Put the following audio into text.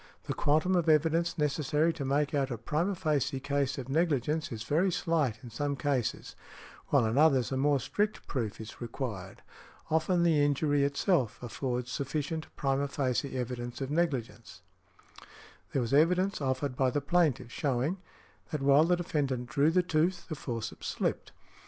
The quantum of evidence necessary to make out a primâ facie case of negligence is very slight in some cases, while in others a more strict proof is required. Often the injury itself affords sufficient primâ facie evidence of negligence. There was evidence offered by the plaintiff showing, that while the defendant drew the tooth, the forceps slipped.